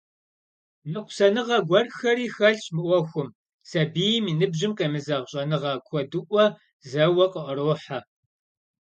Ныкъусаныгъэ гуэрхэри хэлъщ мы Ӏуэхум — сабийм и ныбжьым къемызэгъ щӀэныгъэ куэдыӀуэ зэуэ къыӀэрохьэ.